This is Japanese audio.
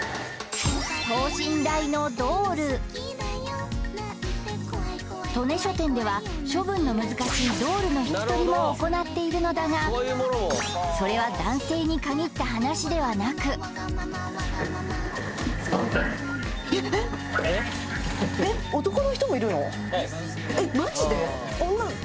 等身大のドール利根書店では処分の難しいドールの引き取りも行っているのだがそれはえっマジで？